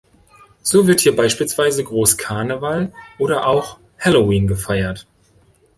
So wird hier beispielsweise groß Karneval oder auch Halloween gefeiert.